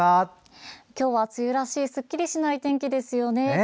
今日は梅雨らしいすっきりしない天気ですよね。